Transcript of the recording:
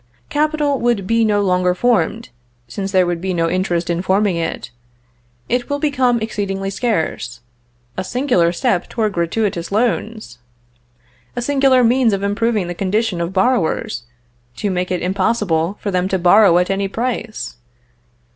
Capital would be no longer formed, since there would be no interest in forming it. It will become exceedingly scarce. A singular step toward gratuitous loans! A singular means of improving the condition of borrowers, to make it impossible for them to borrow at any price!